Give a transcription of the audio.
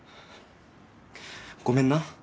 ごめんな。